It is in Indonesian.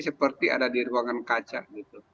seperti ada di ruangan kaca gitu